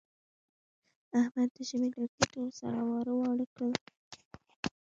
احمد د ژمي لرګي ټول سره واړه واړه کړل.